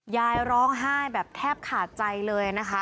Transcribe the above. ยายร้องไห้แบบแทบขาดใจเลยนะคะ